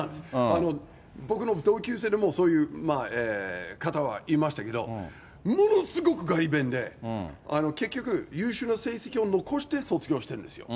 僕の同級生でもそういう方はいましたけど、ものすごくがり勉で、結局、優秀な成績を残して卒業してるんですよ。